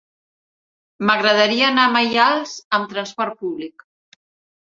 M'agradaria anar a Maials amb trasport públic.